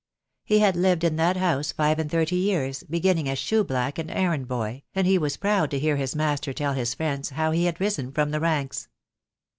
He had lived in that house five and thirty years, be ginning as shoe black and errand boy, and he was proud to hear his master tell his friends how he had risen from the ranks.